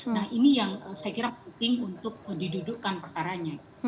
nah ini yang saya kira penting untuk didudukkan perkaranya